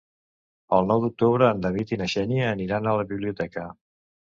El nou d'octubre en David i na Xènia aniran a la biblioteca.